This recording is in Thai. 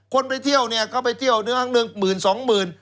คนไปเที่ยวเนี่ยก็ไปเที่ยว๑๒หมื่น